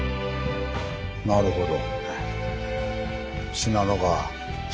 なるほど。